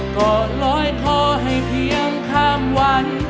ก็ลอยคอให้เพียงข้ามวัน